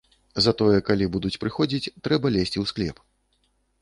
Затое, калі будуць прыходзіць, трэба лезці ў склеп.